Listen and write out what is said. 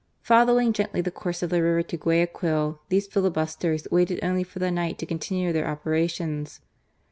Following gently the course of the river to Guaya quil, these filibusters waited only for the night to continue their operations.